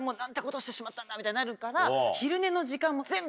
みたいになるから。